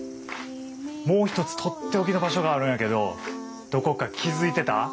もう一つ取って置きの場所があるんやけどどこか気付いてた？